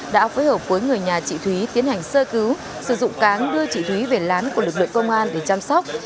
đã phối hợp với người nhà chị thúy tiến hành sơ cứu sử dụng cáng đưa chị thúy về lán của lực lượng công an để chăm sóc